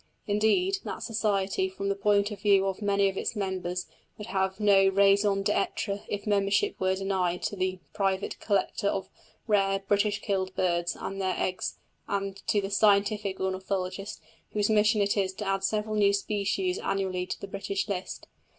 Indeed, that Society, from the point of view of many of its members would have no raison d'être if membership were denied to the private collector of rare "British killed" birds and their eggs and to the "scientific" ornithologist whose mission is to add several new species annually to the British list.